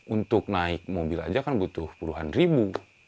untuk naik mobil aja kan butuh puluhan ribu